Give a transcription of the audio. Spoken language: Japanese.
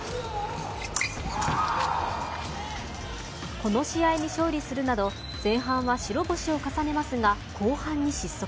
この試合に勝利するなど前半は白星を重ねますが後半は失速。